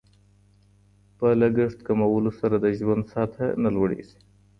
په لګښت کمولو سره د ژوند سطحه نه لوړیږي.